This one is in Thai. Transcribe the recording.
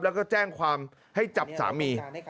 แล้วก็แจ้งความให้จับสามี